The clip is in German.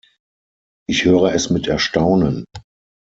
Ich höre es mit Erstaunen.